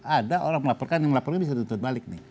ada orang melaporkan yang melaporkan bisa ditutup balik